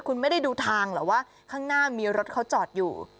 คุณไม่ได้ดูทางเหรอว่าข้างหน้ามีรถเขาจอดอยู่